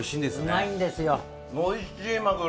うまいんですよ。